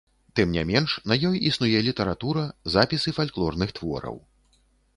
Тым не менш, на ёй існуе літаратура, запісы фальклорных твораў.